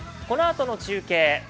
このあとの中継